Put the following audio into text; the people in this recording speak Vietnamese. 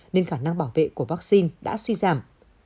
nên khả năng bảo vệ của vaccine đã suy giảm